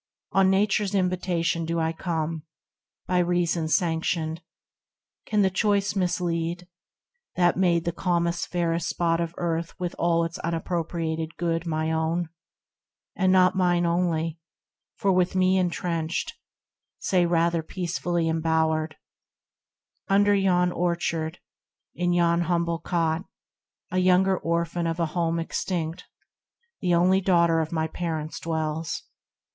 On Nature's invitation do I come, 6 THE RECLUSE By Reason sanctioned. Can the choice mislead, That made the calmest fairest spot of earth With all its unappropriated good My own ; and not mine only, for with me Entrenched, say rather peacefully embowered, Under yon orchard, in yon humble cot, A younger Orphan of a home extinct, The only Daughter of my Parents dwells.